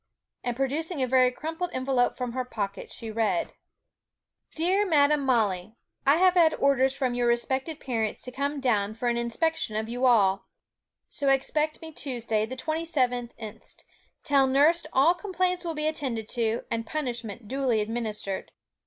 And producing a very crumpled envelope from her pocket, she read: 'DEAR MADAM MOLLY, 'I have had orders from your respected parents to come down for an inspection of you all; so expect me Tuesday, the 27th inst. Tell nurse all complaints will be attended to, and punishment duly administered.